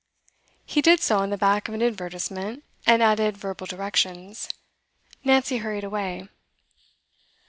He did so on the back of an advertisement, and added verbal directions. Nancy hurried away.